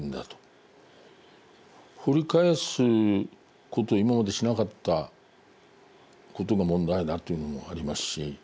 掘り返すことを今までしなかったことが問題だというのもありますし。